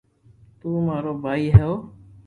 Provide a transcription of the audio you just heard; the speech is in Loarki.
تو مارو ڀائي ھو